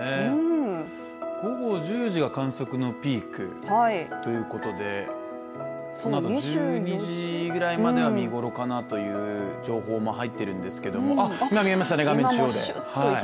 午後１０時が観測のピークということで、そのあと１２時ぐらいまでは見頃かなという情報も入っているんですが今、見えましたね、画面中央で。